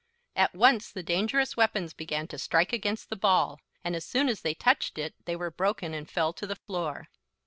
At once the dangerous weapons began to strike against the ball, and as soon as they touched it they were broken and fell to the floor.